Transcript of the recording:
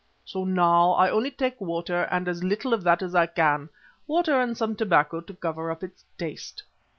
So now I only take water and as little of that as I can, water and some tobacco to cover up its taste."